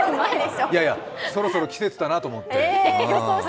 いやいや、そろそろ季節だなと思って。